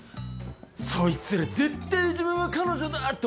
そいつら絶対自分は彼女だって思ってるよ。